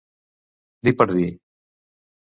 Dir per dir.